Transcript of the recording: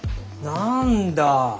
何だ。